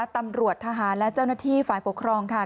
ตำรวจทหารและเจ้าหน้าที่ฝ่ายปกครองค่ะ